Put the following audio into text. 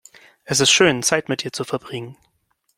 Es ist schön, Zeit mit dir zu verbringen.